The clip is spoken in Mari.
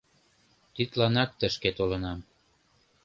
Тидланак тышке толынам.